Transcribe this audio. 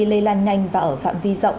lây lan nhanh và ở phạm vi rộng